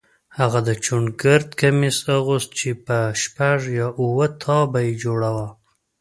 هغه د چوڼ ګرد کمیس اغوست چې په شپږ یا اووه تابه یې جوړاوه.